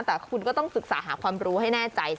แต่คุณก็ต้องศึกษาหาความรู้ให้แน่ใจ